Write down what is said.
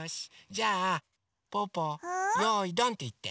じゃあぽぅぽ「よいどん」っていって。